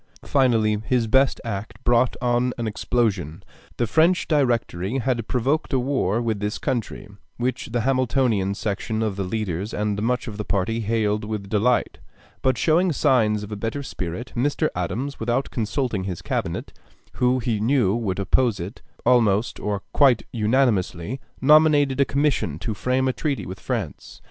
Finally his best act brought on an explosion. The French Directory had provoked a war with this country, which the Hamiltonian section of the leaders and much of the party hailed with delight; but showing signs of a better spirit, Mr. Adams, without consulting his Cabinet, who he knew would oppose it almost or quite unanimously, nominated a commission to frame a treaty with France.